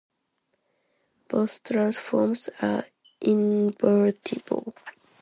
Both transforms are invertible.